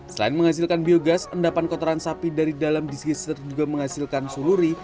selain menghasilkan biogas endapan kotoran sapi dari dalam disgister juga menghasilkan suluri